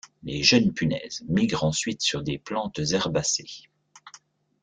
Les jeunes punaises migrent ensuite sur des plantes herbacées.